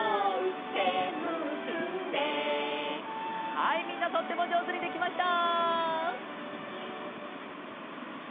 はいみんなとってもじょうずにできました！